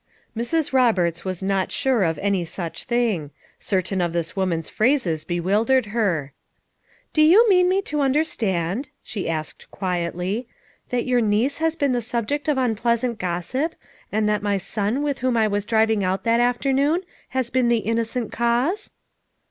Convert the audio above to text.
Mrs. Roberts was not sure of any such thing; certain of this woman's phrases bewil dered her. "Do you mean me to understand," she asked quietly, "that your niece has been the subject of unpleasant gossip, and that my son with whom I was driving out that afternoon has been the innocent cause?"